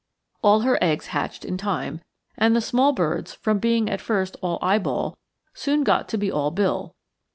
All her eggs hatched in time, and the small birds, from being at first all eyeball, soon got to be all bill.